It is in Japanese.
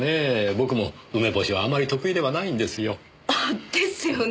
僕も梅干しはあまり得意ではないんですよ。ですよね。